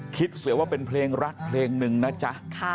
เสียว่าเป็นเพลงรักเพลงหนึ่งนะจ๊ะ